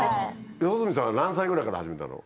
四十住さんは何歳ぐらいから始めたの？